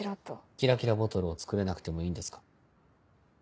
キラキラボトルを作れなくてもいいんですか？